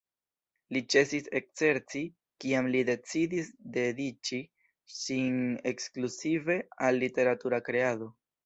Li ĉesis ekzerci kiam li decidis dediĉi sin ekskluzive al literatura kreado.